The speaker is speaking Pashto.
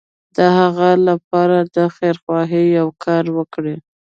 د هغه لپاره د خيرخواهي يو کار وکړي.